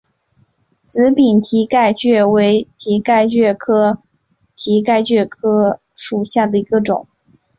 紫柄蹄盖蕨为蹄盖蕨科蹄盖蕨属下的一个种。